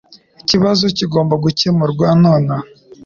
Ikibazo kigomba gukemurwa nonaha.